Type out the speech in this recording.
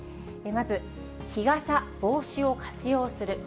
まず、日傘、帽子を活用する。